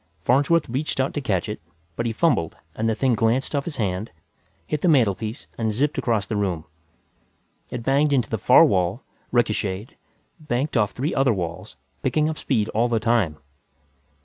Farnsworth reached out to catch it, but he fumbled and the thing glanced off his hand, hit the mantelpiece and zipped across the room. It banged into the far wall, richocheted, banked off three other walls, picking up speed all the time.